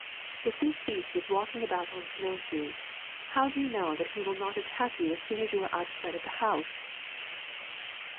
If this beast is walking about on snow shoes, how do you know that he will not attack you as soon as you are out of sight of the house?'